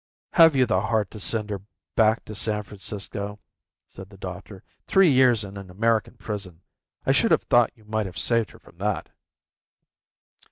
"Have you the heart to send her back to San Francisco?" said the doctor. "Three years in an American prison. I should have thought you might have saved her from that."